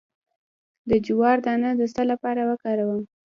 د جوار دانه د څه لپاره وکاروم؟